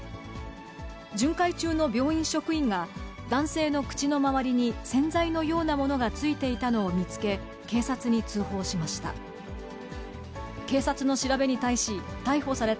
巡回中の病院職員が、男性の口の周りに洗剤のようなものがついていたのを見つけ、警察に通報しました。